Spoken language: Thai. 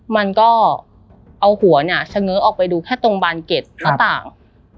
มันก็เอาหัวเนี่ยเฉง้อออกไปดูแค่ตรงบานเก็ตหน้าต่าง